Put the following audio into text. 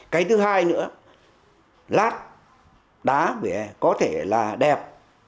cái thứ hai nữa lát đá vỉa hè có thể là đẹp